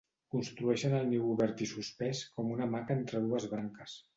Construeixen el niu obert i suspès com una hamaca entre dues branques.